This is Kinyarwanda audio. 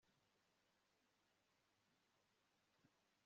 Ariko iyo afashwe abiriha karindwi